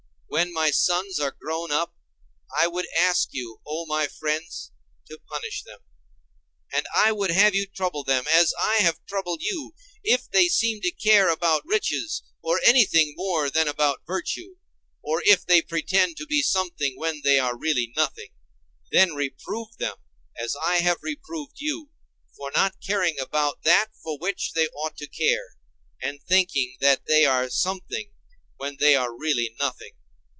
When my sons are grown up, I would ask you, O my friends, to punish them; and I would have you trouble them, as I have troubled you, if they seem to care about riches, or anything, more than about virtue; or if they pretend to be something when they are really nothing—then reprove them, as I have reproved you, for not caring about that for which they ought to care, and thinking that they are something when they are really nothing.